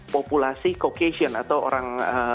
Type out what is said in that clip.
populasi caucasian atau orang